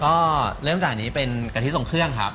ก็เริ่มจากนี้เป็นกะทิทรงเครื่องครับ